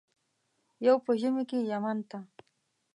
یو په ژمي کې یمن ته.